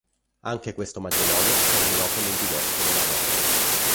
Anche questo matrimonio terminò con il divorzio della coppia.